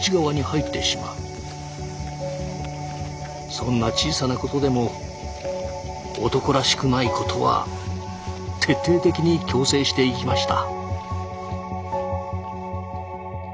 そんな小さなことでも「男らしくない」ことは徹底的に矯正していきました。